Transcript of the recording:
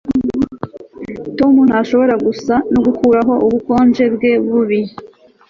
tom ntashobora gusa no gukuraho ubukonje bwe bubi